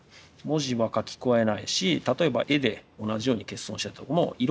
文字は書き加えないし例えば絵で同じように欠損したとこも色は入れない。